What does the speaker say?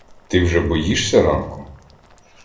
Ти вже боїшся ранку?